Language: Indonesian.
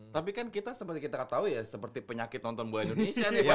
tapi kan kita seperti kita tau ya seperti penyakit nonton buah indonesia nih pak